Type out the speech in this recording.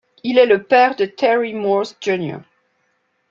Il est le père de Terry Morse Jr.